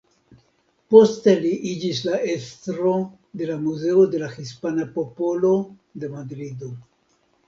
Poste li iĝis la estro de la Muzeo de la Hispana Popolo de Madrido.